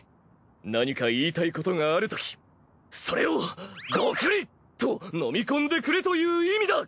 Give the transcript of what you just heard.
何か言いたいことがあるときそれをゴクリと飲み込んでくれという意味だ。